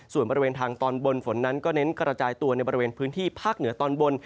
ส่วนบริเวณทางตอนบนฝนนั้นก็เน้นกระจายตัวในบริเวณพื้นที่ภาคเหนือตอนบน